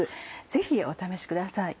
ぜひお試しください。